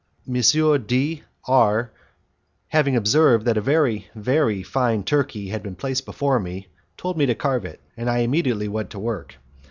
M. D R having observed that a very, very fine turkey had been placed before me, told me to carve it, and I immediately went to work.